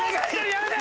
やめて！